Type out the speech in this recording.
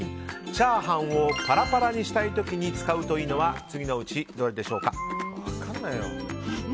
チャーハンをパラパラにしたい時に使うと良いのは次のうちどれでしょうか？